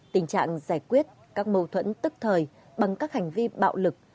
tình trạng giải quyết các mâu thuẫn tức thời bằng các hành vi bạo lực